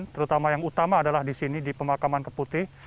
terutama yang utama adalah di sini di pemakaman keputih